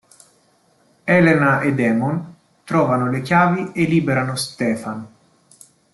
Elena e Damon trovano le chiavi e liberano Stefan.